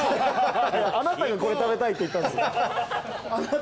あなたがこれ食べたいって言ったんですよ。